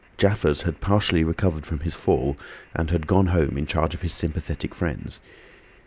Jaffers had partially recovered from his fall and had gone home in the charge of his sympathetic friends.